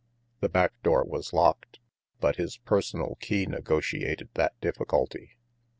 The back door was locked, but his personal key negotiated that difficulty.